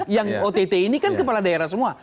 yang ott ini kan kepala daerah semua